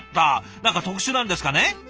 何か特殊なんですかね？